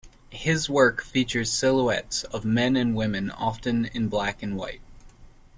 His work features silhouettes of men and women, often in black and white.